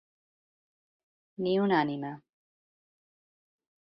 Ni una ànima.